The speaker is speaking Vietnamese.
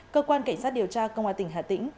cơ quan cảnh sát điều tra công an tỉnh hà tĩnh